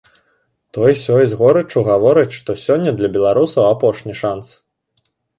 Той-сёй з горыччу гаворыць, што сёння для беларусаў апошні шанц.